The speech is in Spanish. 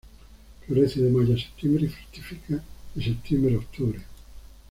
Florece de mayo a septiembre y fructifica de septiembre a octubre.